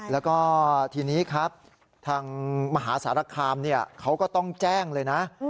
แล้วก็ทีนี้ครับทางมหาสารคามเขาก็ต้องแจ้งเลยนะ